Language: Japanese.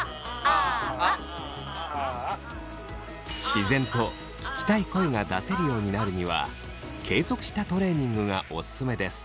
自然と聞きたい声が出せるようになるには継続したトレーニングがオススメです。